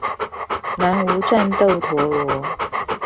南無戰鬥陀螺